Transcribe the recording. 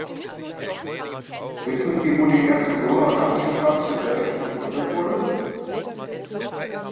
Wissen sie wo die erste Donaudampfschiffahrtsgesellschaft gegründet wurde?